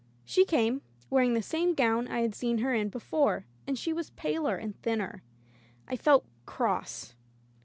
She came, wearing the same gown I had seen her in before. And she was paler and thinner. I felt cross.